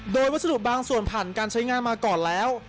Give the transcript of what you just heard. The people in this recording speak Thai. โดยวัสดุบางส่วนผ่านการใช้งานมาก่อนแล้ว